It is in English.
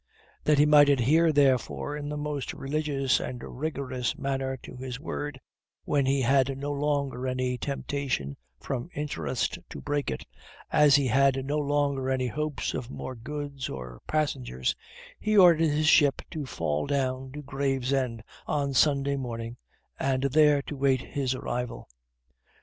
That he might adhere, therefore, in the most religious and rigorous manner to his word, when he had no longer any temptation from interest to break it, as he had no longer any hopes of more goods or passengers, he ordered his ship to fall down to Gravesend on Sunday morning, and there to wait his arrival.